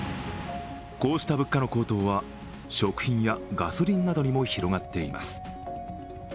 こうした物価の高騰は、食品やガソリンなどにも広がっています。